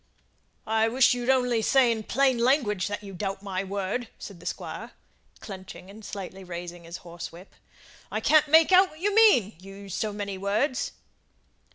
"I wish you'd only say in plain language that you doubt my word," said the Squire, clenching and slightly raising his horsewhip. "I can't make out what you mean you use so many words."